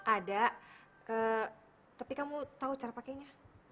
ada tapi kamu tahu cara pakainya